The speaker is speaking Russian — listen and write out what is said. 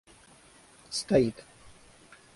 стоит